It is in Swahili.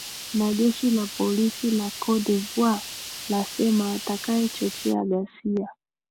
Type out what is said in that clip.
na jeshi la polisi la cote de voire lasema atakaye chochea ghasia